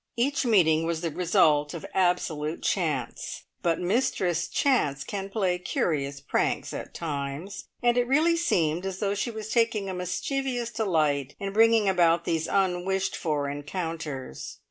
Each meeting was the result of absolute chance, but Mistress Chance can play curious pranks at times, and it really seemed as though she was taking a mischievous delight in bringing about these unwished for encounters.